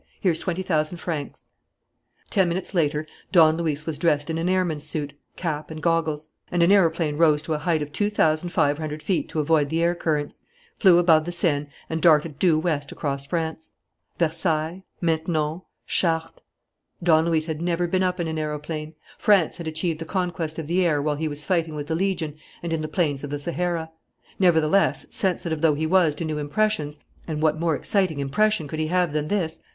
Here's twenty thousand francs." Ten minutes later Don Luis was dressed in an airman's suit, cap, and goggles; and an aeroplane rose to a height of two thousand five hundred feet to avoid the air currents, flew above the Seine, and darted due west across France. Versailles, Maintenon, Chartres.... Don Luis had never been up in an aeroplane. France had achieved the conquest of the air while he was fighting with the Legion and in the plains of the Sahara. Nevertheless, sensitive though he was to new impressions and what more exciting impression could he have than this?